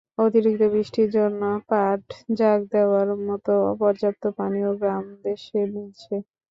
অতিরিক্ত বৃষ্টির জন্য পাট জাগ দেওয়ার মতো পর্যাপ্ত পানিও গ্রামদেশে মিলছে।